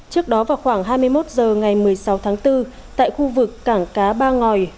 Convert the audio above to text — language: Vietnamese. trước đó vào khoảng hai mươi một h ngày một mươi sáu tháng bốn tại khu vực cảng cá ba ngòi